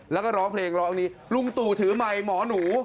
แล้วก็ร้องเพลงร้องนี้ลุงตู่ถือไมค์หมอหนู